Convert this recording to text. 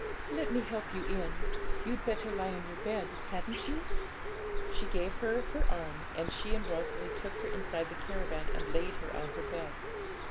Let me help you in; you'd better lie on your bed, hadn't you?' She gave her her arm, and she and Rosalie took her inside the caravan and laid her on her bed.